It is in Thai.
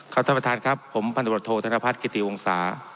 ครับท่านประทานครับผมพันธุบัตโธธนภัศจ์กิฏรีวงศา